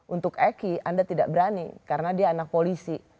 untuk eki anda tidak berani karena dia anak polisi